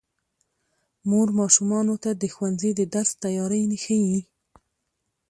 مور ماشومانو ته د ښوونځي د درس تیاری ښيي